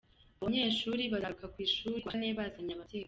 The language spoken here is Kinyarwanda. Abo banyeshuri bazagaruka ku ishuri ku wa kane bazanye ababyeyi.